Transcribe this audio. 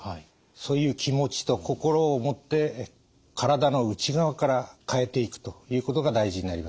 そういう気持ちと心を持って体の内側から変えていくということが大事になります。